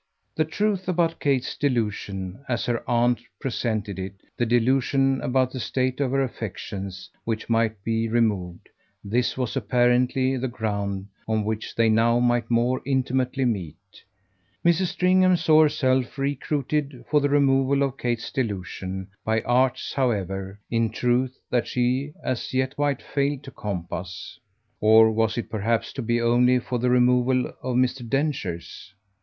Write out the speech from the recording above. The truth about Kate's delusion, as her aunt presented it, the delusion about the state of her affections, which might be removed this was apparently the ground on which they now might more intimately meet. Mrs. Stringham saw herself recruited for the removal of Kate's delusion by arts, however, in truth, that she as yet quite failed to compass. Or was it perhaps to be only for the removal of Mr. Densher's?